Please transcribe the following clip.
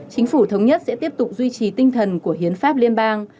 chính phủ thống nhất sẽ tiếp tục duy trì tinh thần của hiến pháp liên bang